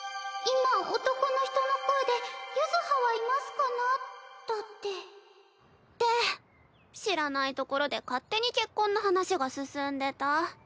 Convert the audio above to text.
今男の人の声で「柚葉はいますかで知らないところで勝手に結婚の話が進んでた。